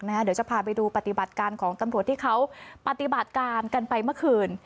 เดี๋ยวจะพาไปดูปฏิบัติการของตำรวจที่เขาปฏิบัติการกันไปเมื่อคืน